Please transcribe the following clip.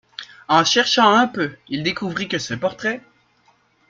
En cherchant un peu, il découvrit que ce portrait...